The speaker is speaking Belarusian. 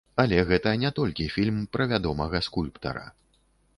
Але гэта не толькі фільм пра вядомага скульптара.